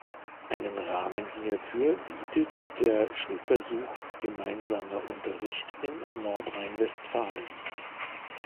Einen Rahmen hierfür bietet der Schulversuch Gemeinsamer Unterricht in Nordrhein-Westfalen.